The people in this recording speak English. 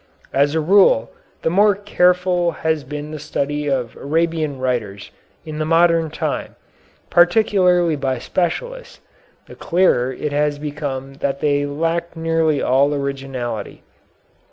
As a rule the more careful has been the study of Arabian writers in the modern time, particularly by specialists, the clearer has it become that they lacked nearly all originality.